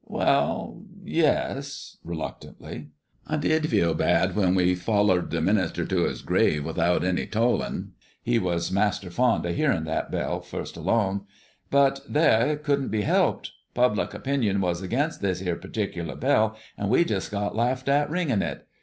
"Well, yes," reluctantly, "I b'lieve so. I did feel bad when we follered the minister to his grave without any tollin' he was master fond o' hearing that bell, fust along but there, it couldn't be helped! Public opinion was against that 'ere particular bell, and we jes' got laughed at, ringin' it.